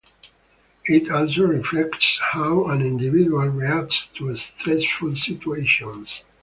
It also reflects how an individual reacts to stressful situations.